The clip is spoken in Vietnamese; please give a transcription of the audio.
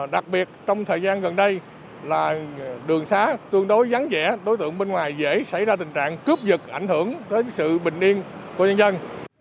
đặc biệt trong thời gian gần đây đường xá tương đối vắng dẻ đối tượng bên ngoài dễ xảy ra tình trạng cướp dịch ảnh hưởng đến sự bình yên của nhân dân